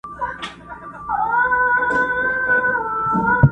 ما یې لیدی پر یوه لوړه څانګه!.